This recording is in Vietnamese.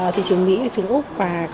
thị trường úc và thị trường nhật